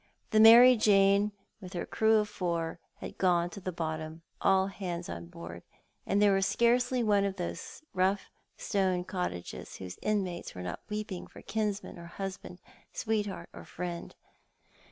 . The Mary Jane, with her crew of four, had gone to the bottom— all hands on board— and there was scarcely one of those rough stone cottages whose inmates were not weeping for kinsman or husband, sweetheart or friend.